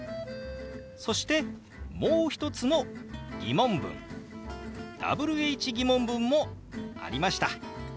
そしてもう一つの疑問文Ｗｈー疑問文もありました。